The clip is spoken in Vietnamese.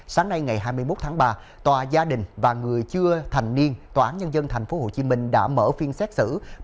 sáng nay ngày hai mươi một tháng ba tòa gia đình và người chưa thành niên tòa án nhân dân tp hcm đã mở phiên xét xử